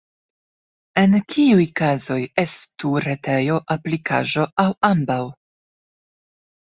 En kiuj kazoj estu retejo, aplikaĵo, aŭ ambaŭ?